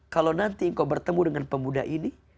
kalau nanti engkau bertemu dengan pemuda ini